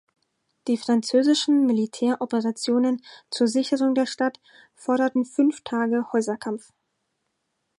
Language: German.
Die französischen Militäroperationen zur Sicherung der Stadt forderten fünf Tage Häuserkampf.